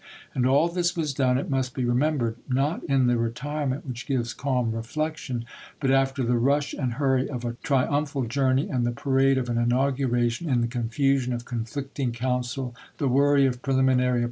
And all this was done, it must be remembered, not in the retirement which gives calm reflection, but after the rush and hurry of a triumphal journey and the parade of an inauguration, in the confusion of THE FALL OF SUMTER 63 conflicting counsel, the worry of preliminary ap chap.